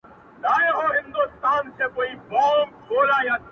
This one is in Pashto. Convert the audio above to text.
څه لښکر لښکر را ګورې څه نیزه نیزه ږغېږې,